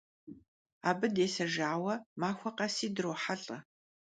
Abı dêsejjaue maxue khesi drohelh'e.